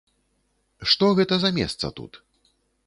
Што гэта за месца тут?